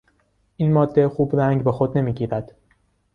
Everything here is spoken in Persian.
این ماده خوب رنگ به خود نمیگیرد.